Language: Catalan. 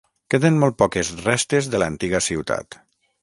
Queden molt poques restes de l'antiga ciutat.